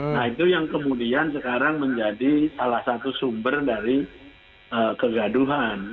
nah itu yang kemudian sekarang menjadi salah satu sumber dari kegaduhan